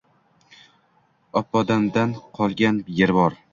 Oppodadamdan qolgan yer bor